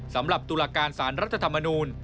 สำหรับตุลาการสารรัฐธรรมนูล